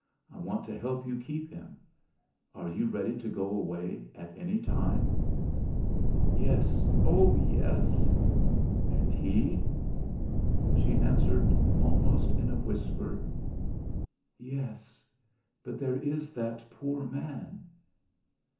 I want to help you keep him. Are you ready to go away, at any time?" "Yes. Oh, yes!" "And he?" She answered almost in a whisper: "Yes; but there is that poor man."